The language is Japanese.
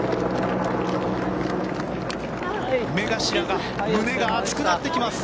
目頭が胸が熱くなってきます。